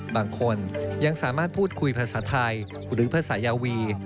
บางคนยังสามารถพูดคุยภาษาไทยหรือภาษายาวี